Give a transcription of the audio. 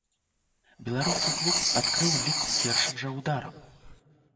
Беларускі клуб адкрыў лік першым жа ударам.